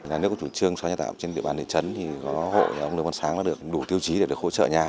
nhà nước có chủ trương xóa nhà tạm trên địa bàn thị trấn thì có hộ nhà ông lương văn sáng là được đủ tiêu chí để được hỗ trợ nhà